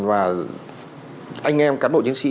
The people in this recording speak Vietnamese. và anh em cán bộ chiến sĩ